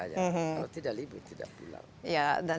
kalau tidak libur tidak pulang